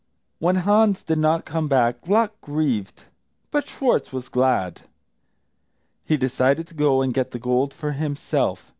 When Hans did not come back Gluck grieved, but Schwartz was glad. He decided to go and get the gold for himself.